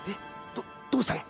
どどうしたの？